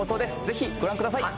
ぜひご覧ください。